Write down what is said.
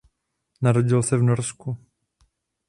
Narodil se v Norsku.